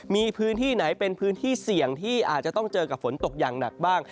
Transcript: มีพื้นที่ไหนเป็นพื้นที่เสี่ยงที่อาจจะต้องเจอกับฝนตกอย่างหนักบ้าง